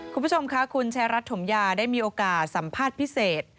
คุณผู้ชมค่ะคุณชายรัฐถมยาได้มีโอกาสสัมภาษณ์พิเศษ